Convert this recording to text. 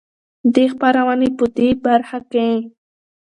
دې خپرونې په د برخه کې